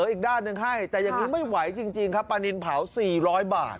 อีกด้านหนึ่งให้แต่อย่างนี้ไม่ไหวจริงครับปลานินเผา๔๐๐บาท